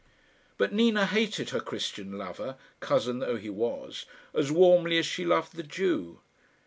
But Nina hated her Christian lover, cousin though he was, as warmly as she loved the Jew.